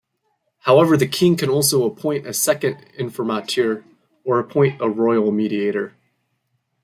However the King can also appoint a second Informateur or appoint a royal mediator.